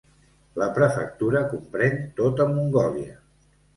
La prefectura comprèn tota Mongòlia.